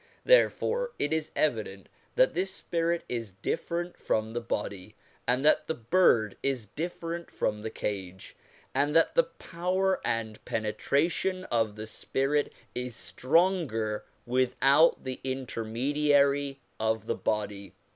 Therefore it is evident that this spirit is different from the body, and that the bird is different from the cage, and that the power and penetration of the spirit is stronger without the intermediary of the body.